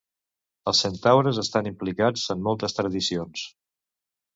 Els centaures estan implicats en moltes tradicions.